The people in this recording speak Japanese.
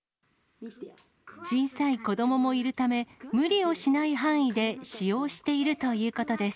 小さい子どももいるため、無理をしない範囲で使用しているということです。